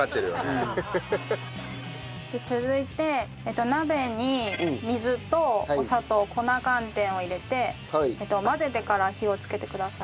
続いて鍋に水とお砂糖粉寒天を入れて混ぜてから火をつけてください。